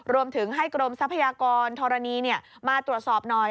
รวมถึงให้กรมทรัพยากรธรณีมาตรวจสอบหน่อย